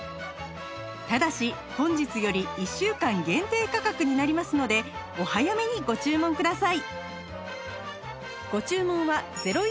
ただし本日より１週間限定価格になりますのでお早めにご注文ください